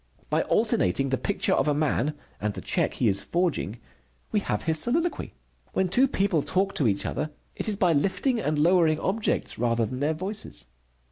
By alternating the picture of a man and the check he is forging, we have his soliloquy. When two people talk to each other, it is by lifting and lowering objects rather than their voices.